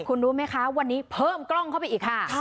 คุณรู้ไหมคะวันนี้เพิ่มกล้องเข้าไปอีกค่ะ